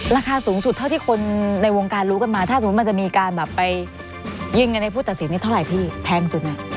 ราคาสูงสุดเท่าที่คนในวงการรู้กันมาถ้าสมมุติมันจะมีการแบบไปยิงกันในผู้ตัดสินนี้เท่าไหร่พี่แพงสุด